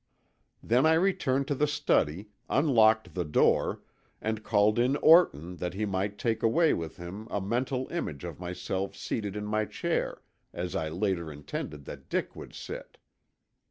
"Then I returned to the study, unlocked the door, and called in Orton that he might take away with him a mental image of myself seated in my chair, as I later intended that Dick should sit.